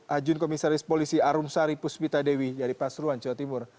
hajun komisaris polisi arun sari puspita dewi dari pasruan jawa timur